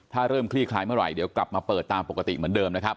ถ้าเริ่มคลี่คลายเมื่อไหร่เดี๋ยวกลับมาเปิดตามปกติเหมือนเดิมนะครับ